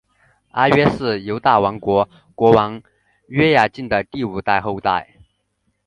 阿黑是犹大王国国王约雅敬的第五代的后代。